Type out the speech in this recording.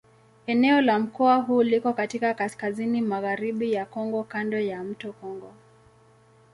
Eneo la mkoa huu liko katika kaskazini-magharibi ya Kongo kando ya mto Kongo.